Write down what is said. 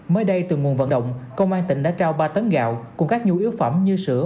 mới đây từ nguồn vận động công an tỉnh đã trao ba tấn gạo cùng các nhu yếu phẩm như sữa